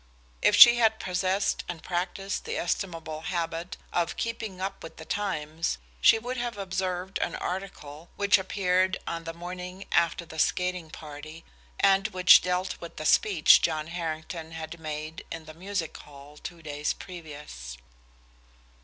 If she had possessed and practiced the estimable habit of "keeping up with the times," she would have observed an article which appeared on the morning after the skating party, and which dealt with the speech John Harrington had made in the Music Hall two days previous.